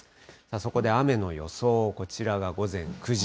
そこで雨の予想、こちらが午前９時。